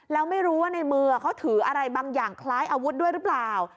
แล้วไม่รู้ว่าในมือเขาถืออะไรบางอย่างคล้ายอาวุธด้วยหรือเปล่า